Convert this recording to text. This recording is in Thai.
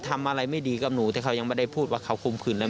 ทำอะไรไม่ดีกับหนูแต่เขายังไม่ได้พูดว่าเขาคุมคืนแล้ว